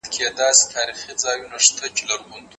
هغه زما خلاف زما د زړه په تل کې اوسي